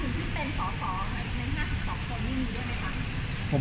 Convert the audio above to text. เยอะมากครับ